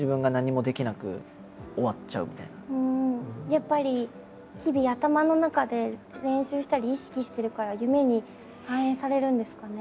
やっぱり日々頭の中で練習したり意識してるから夢に反映されるんですかね？